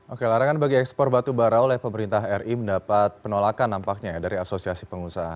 oke larangan bagi ekspor batubara oleh pemerintah ri mendapat penolakan nampaknya ya dari asosiasi pengusaha